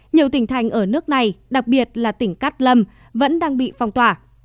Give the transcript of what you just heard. nhiều tỉnh thành ở nước này đặc biệt là tỉnh cát lâm vẫn đang bị phong tỏa